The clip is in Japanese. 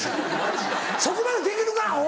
そこまでできるかアホ！